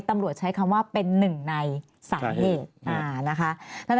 ตำรวจใช้คำว่าเป็นหนึ่งในสาเหตุนะคะ